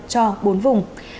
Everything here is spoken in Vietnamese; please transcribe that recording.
cho bốn vùng